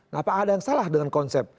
nah pak ada yang salah dengan konsep